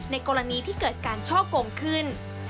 กรณีที่เกิดการช่อกงขึ้น